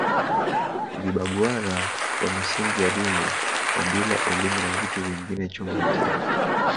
Tukibaguana kwa misingi ya dini kabila elimu na vitu vingine chungu mzima